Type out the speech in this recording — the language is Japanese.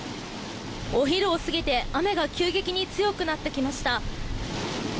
お昼を過ぎて雨が急激に強くなってきました。